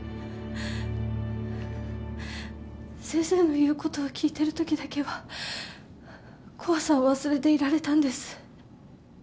先生の言うことを聞いてるときだけは怖さを忘れていられたんです。